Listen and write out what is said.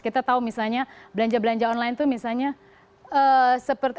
kita tahu misalnya belanja belanja online itu misalnya seperti